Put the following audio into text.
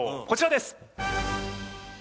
こちらです。